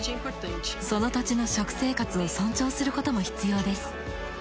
その土地の食生活を尊重することも必要です。